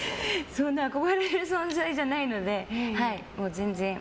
そんな憧れの存在じゃないので全然。